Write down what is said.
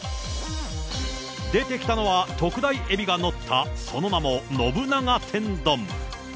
出てきたのは、特大えびが乗ったその名も信長天丼。